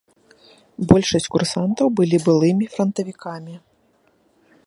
Большасць курсантаў былі былымі франтавікамі.